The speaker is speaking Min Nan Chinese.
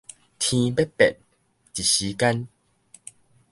天欲變，一時間